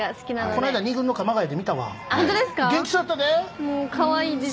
この間２軍の鎌ケ谷で見たで。